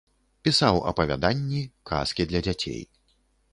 Пісаў апавяданні, казкі для дзяцей.